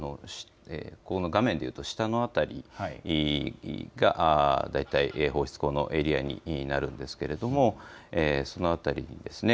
画面でいうと下のあたりにだいたい放出口のエリアになるんですけどそのあたりにですね